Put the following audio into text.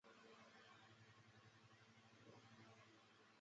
圣昂图万坎翁。